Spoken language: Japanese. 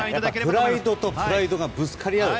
プライドとプライドがぶつかり合う。